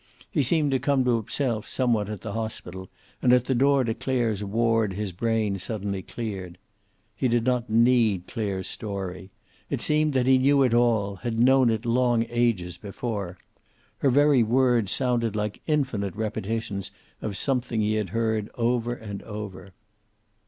He seemed to come to himself somewhat at the hospital, and at the door to Clare's ward his brain suddenly cleared. He did not need Clare's story. It seemed that he knew it all, had known it long ages before. Her very words sounded like infinite repetitions of something he had heard, over and over.